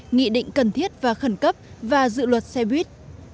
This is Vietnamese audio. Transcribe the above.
nghị định cần thiết và khẩn cấp và dự luật xe buýt